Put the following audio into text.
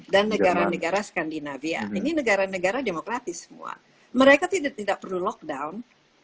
dan negara negara skandinavia ini negara negara demokratis semua mereka tidak perlu lockdown